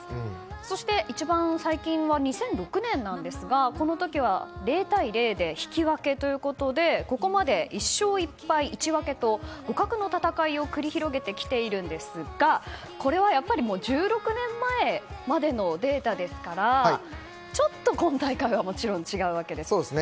そして、一番最近は２００６年ですがこの時は０対０の引き分けということでここまで１勝１敗１分けと互角の戦いを繰り広げてきているんですがこれはやっぱり１６年前までのデータですからちょっと今大会はもちろん違うわけですよね。